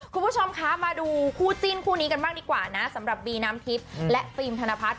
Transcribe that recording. คุณผู้ชมคะมาดูคู่จิ้นคู่นี้กันบ้างดีกว่านะสำหรับบีน้ำทิพย์และฟิล์มธนพัฒน